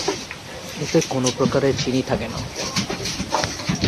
এতে কোন প্রকারে চিনি থাকে না।